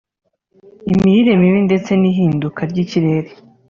imirire mibi ndetse n’ihinduka ry’ikirere